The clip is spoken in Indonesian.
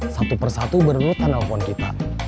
satu persatu bener bener tak nelfon kita